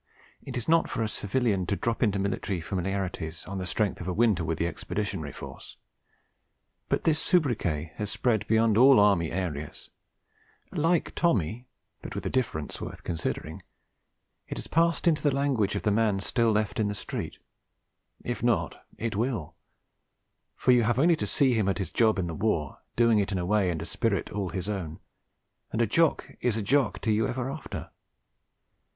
It is not for a civilian to drop into military familiarities on the strength of a winter with the Expeditionary Force; but this sobriquet has spread beyond all Army areas; like 'Tommy,' but with a difference worth considering, it has passed into the language of the man still left in the street. If not, it will; for you have only to see him at his job in the war, doing it in a way and a spirit all his own, and a Jock is a Jock to you ever after.